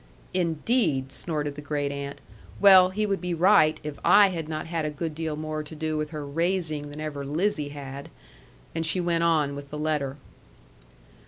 "Indeed!" snorted the great aunt. "Well, he would be right, if I had not had a good deal more to do with her 'raising' than ever Lizzie had." And she went on with the letter.